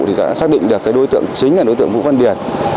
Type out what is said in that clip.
thì đã xác định được đối tượng chính là đối tượng vũ văn điển